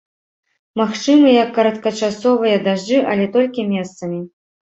Магчымыя кароткачасовыя дажджы, але толькі месцамі.